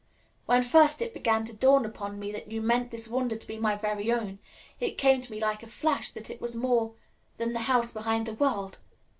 When first it began to dawn upon me that you meant this wonder to be my very own, it came to me like a flash that it was more than the House Behind the World.